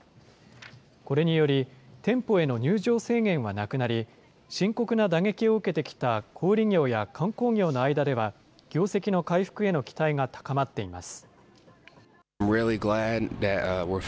これにより、店舗への入場制限はなくなり、深刻な打撃を受けてきた小売り業や観光業の間では、業績の回復への期待が高まっています。